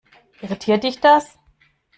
Irritiert dich das?